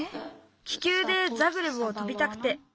気球でザグレブを飛びたくて。